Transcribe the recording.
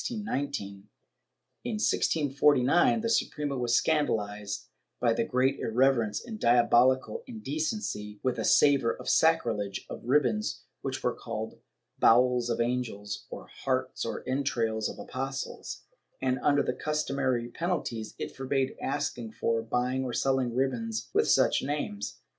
® In 1649, the Suprema was scandalized at the great irrev erence and diabolical indecency, with a savor of sacrilege, of ribbons which were called ''bowels of angels" or "hearts or entrails of apostles," and, under the customary penalties, it forbade asking for, buying or selling ribbons with such names.